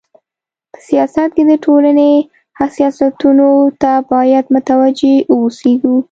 په سیاست کي د ټولني حساسيتونو ته بايد متوجي و اوسيږي.